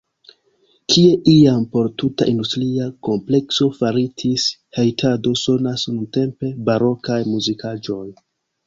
Kie iam por tuta industria komplekso faritis hejtado sonas nuntempe barokaj muzikaĵoj.